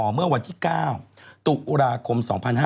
เมื่อวันที่๙ตุลาคม๒๕๕๙